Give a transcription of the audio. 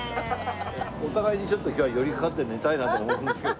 お互いにちょっと今日は寄りかかって寝たいなと思うんですけど。